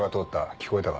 聞こえたか？